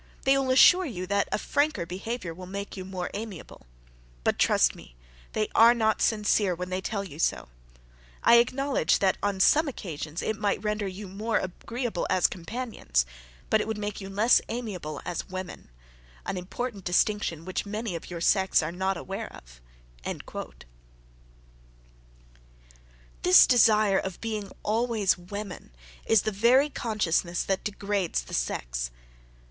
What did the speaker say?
They will assure you that a franker behaviour would make you more amiable. But, trust me, they are not sincere when they tell you so. I acknowledge that on some occasions it might render you more agreeable as companions, but it would make you less amiable as women: an important distinction, which many of your sex are not aware of." This desire of being always women, is the very consciousness that degrades the sex.